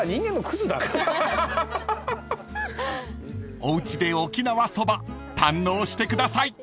［おうちで沖縄そば堪能してください］